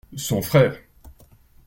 Son frère.